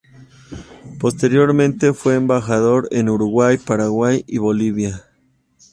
Posteriormente fue embajador en Uruguay, Paraguay y Bolivia.